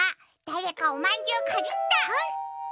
だれかおまんじゅうかじった！